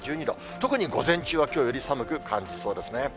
特に午前中はきょうより寒く感じそうですね。